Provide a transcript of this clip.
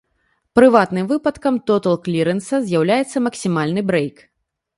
Прыватным выпадкам тотал-клірэнса з'яўляецца максімальны брэйк.